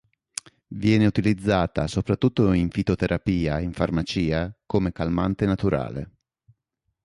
Viene utilizzata soprattutto in fitoterapia e in farmacia, come calmante naturale.